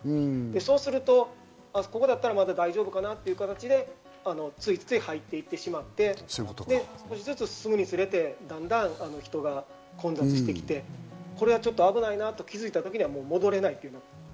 そうするとここだったらまだ大丈夫かなという形でついつい入っていってしまって、進むにつれてだんだん人が混雑してきて、これは危ないなと気づいた時には戻れない。